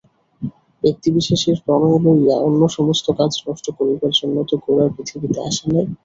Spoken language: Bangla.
ব্যক্তিবিশেষের প্রণয় লইয়া অন্য সমস্ত কাজ নষ্ট করিবার জন্য তো গোরা পৃথিবীতে আসে নাই।